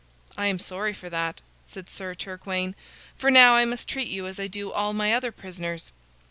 "I am sorry for that," said Sir Turquaine, "for now I must treat you as I do all my other prisoners."